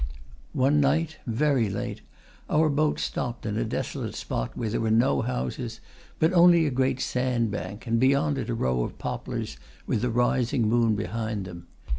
One night, very late, our boat stopped in a desolate spot where there were no houses, but only a great sandbank, and beyond it a row of poplars with the rising moon behind them.